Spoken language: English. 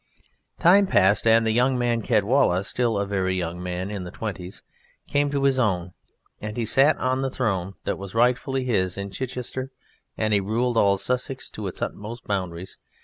Time passed, and the young man Caedwalla, still a very young man in the twenties, came to his own, and he sat on the throne that was rightfully his in Chichester and he ruled all Sussex to its utmost boundaries.